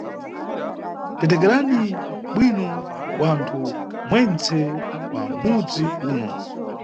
Tetekerani bwino wanthu mwentse wa mudzi uno.